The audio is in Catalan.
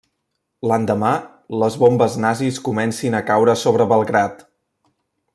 L'endemà, les bombes nazis comencin a caure sobre Belgrad.